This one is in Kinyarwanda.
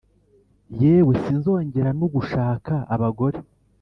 Yewe sinzongera nugushaka abagore